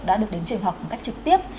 đã được đến trường học một cách trực tiếp